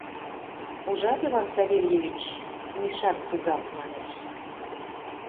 — Ужат, Иван Савельевич, Мишат тугак манеш.